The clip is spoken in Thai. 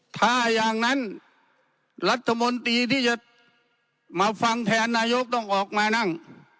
ถ้าอย่างนั้นรัฐมนตรีที่จะมาฟังแทนนายกต้องออกมานั่ง